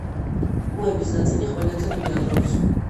კუების ნაწილი ხმელეთზე ბინადრობს.